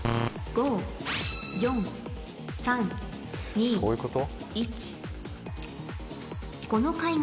５・４・３・２・１そういうこと？